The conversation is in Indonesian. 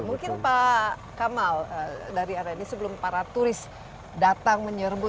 mungkin pak kamal dari rni sebelum para turis datang menyerbu